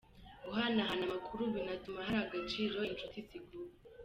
Guhanahana amakuru binatuma hari agaciro inshuti ziguha.